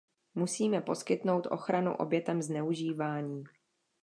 Musíme poskytnout ochranu obětem zneužívání.